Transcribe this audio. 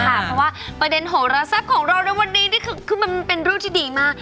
เพราะว่าประเด็นห่วระสับของเราวันนี้คือเป็นรูปที่ดีมาก